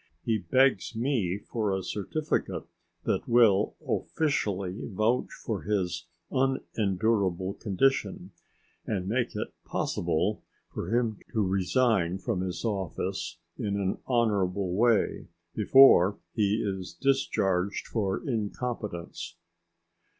He begs me for a certificate that will officially vouch for his unendurable condition and make it possible for him to resign from his office in an honourable way before he is discharged for incompetence.